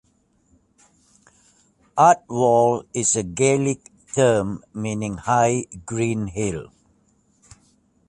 Ardwold is a Gaelic term meaning "high, green hill".